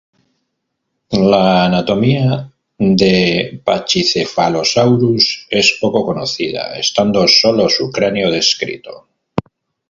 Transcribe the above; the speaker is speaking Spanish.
La anatomía de "Pachycephalosaurus" es poco conocida, estando solo su cráneo descrito.